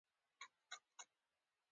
قدرت د کایناتو د پراخوالي راز لري.